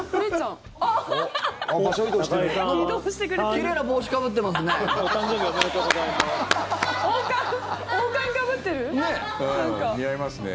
奇麗な帽子かぶってますね。